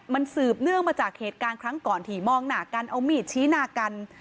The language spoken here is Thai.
มันสืบเนื่องมาจากเหตุการณ์ครั้งก่อนที่มองหน้ากันเอามีดชี้หน้ากัน